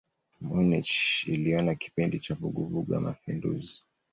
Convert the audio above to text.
Munich iliona kipindi cha vuguvugu ya mapinduzi.